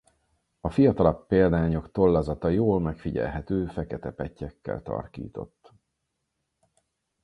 A fiatalabb példányok tollazata jól megfigyelhető fekete pettyekkel tarkított.